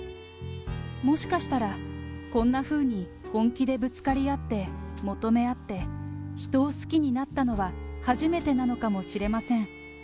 もしかしたら、こんなふうに本気でぶつかり合って、求め合って、人を好きになったのは初めてなのかもしれません。